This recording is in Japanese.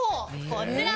こちら。